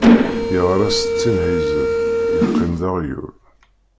Yeɣra settin ḥizeb, yeqqim d aɣyul.